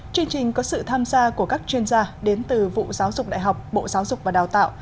chương trình có sự tham gia của các chuyên gia đến từ vụ giáo dục đại học bộ giáo dục và đào tạo